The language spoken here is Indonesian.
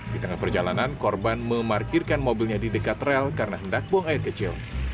di tengah perjalanan korban memarkirkan mobilnya di dekat rel karena hendak buang air kecil